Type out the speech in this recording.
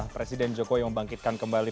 presiden jokowi membangkitkan kembali